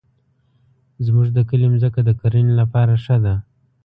زمونږ د کلي مځکه د کرنې لپاره ښه ده.